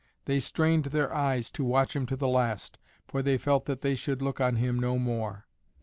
They strained their eyes to watch him to the last, for they felt that they should look on him no more.